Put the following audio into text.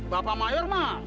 bapak mayor mah